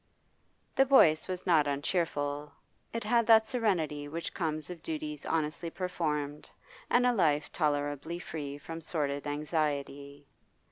The voice was not uncheerful; it had that serenity which comes of duties honestly performed and a life tolerably free from sordid anxiety.